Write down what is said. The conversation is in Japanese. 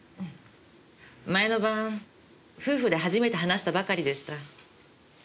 前の晩夫婦で初めて話したばかりでした。